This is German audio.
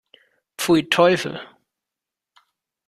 Pfui, Teufel!